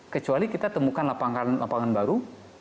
kecuali kita temukan lapangan baru